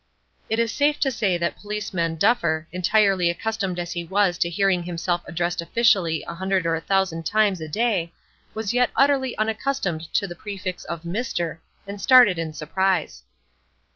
It is safe to say that Policeman Duffer, entirely accustomed as he was to hearing himself addressed officially a hundred or a thousand times a day, was yet utterly unaccustomed to the prefix of "Mr.", and started in surprise.